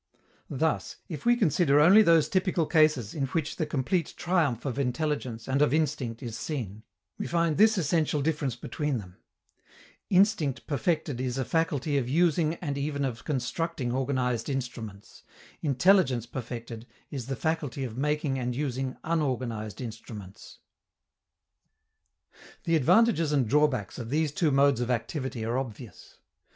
Thus, if we consider only those typical cases in which the complete triumph of intelligence and of instinct is seen, we find this essential difference between them: _instinct perfected is a faculty of using and even of constructing organized instruments; intelligence perfected is the faculty of making and using unorganized instruments_. The advantages and drawbacks of these two modes of activity are obvious.